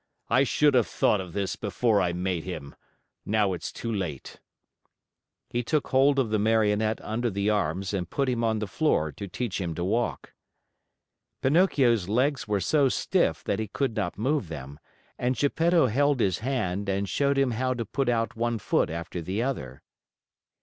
"I should have thought of this before I made him. Now it's too late!" He took hold of the Marionette under the arms and put him on the floor to teach him to walk. Pinocchio's legs were so stiff that he could not move them, and Geppetto held his hand and showed him how to put out one foot after the other.